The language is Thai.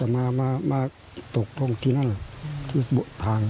มันมาตกพร้อมที่นั่นทาง